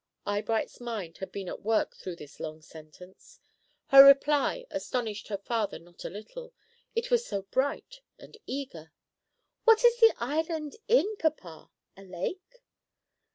Eyebright's mind had been at work through this long sentence. Her reply astonished her father not a little, it was so bright and eager. "What is the island in, papa? A lake?"